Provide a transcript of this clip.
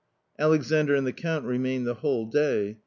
" Alexandr and the Count remained the whole day.